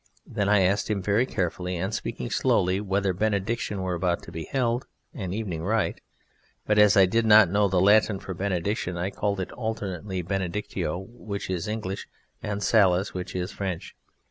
I then asked him very carefully, and speaking slowly, whether Benediction were about to be held an evening rite; but as I did not know the Latin for Benediction, I called it alternately "Benedictio," which is English, and "Salus," which is French.